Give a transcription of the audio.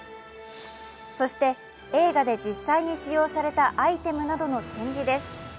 そして映画で実際に使用されたアイテムなどの展示です。